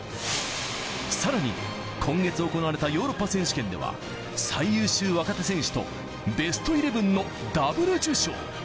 さらに今月行われたヨーロッパ選手権では、最優秀若手選手とベストイレブンのダブル受賞。